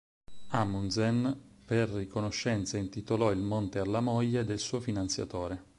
Amundsen per riconoscenza intitolò il monte alla moglie del suo finanziatore.